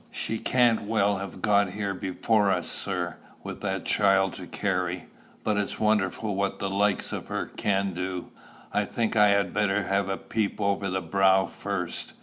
"She can't well have got here before us, sir, with that child to carry. But it's wonderful what the likes of her can do. I think I had better have a peep over the brow first.